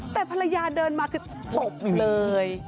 แต่ภรรยาเดินมาคือตบเลย